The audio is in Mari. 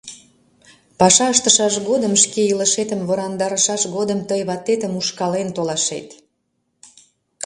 — Паша ыштышаш годым, шке илышетым ворандарышаш годым тый ватетым ушкален толашет.